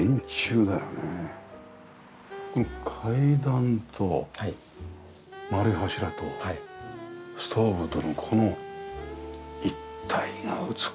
階段と円い柱とストーブとのこの一体が美しいよね。